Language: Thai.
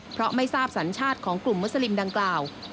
เพราะไม่ทราบสัญชาติของกลุ่มมุสลิมดังกล่าว